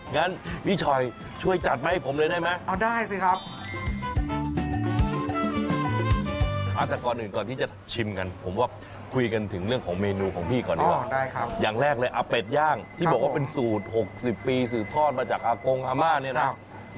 งั้นพี่ชอยช่วยจัดมาให้ผมเลยได้ไหมครับ